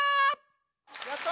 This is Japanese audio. やった！